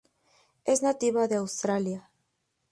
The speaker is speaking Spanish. Es nativa de Australia.